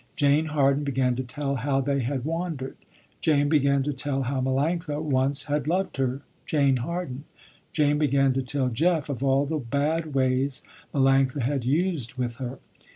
Jane Harden began to tell how they had wandered. Jane began to tell how Melanctha once had loved her, Jane Harden. Jane began to tell Jeff of all the bad ways Melanctha had used with her.